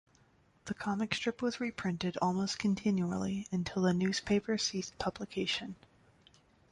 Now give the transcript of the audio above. The comic strip was reprinted almost continually until the newspaper ceased publication.